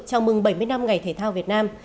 chào mừng bảy mươi năm ngày thể thao việt nam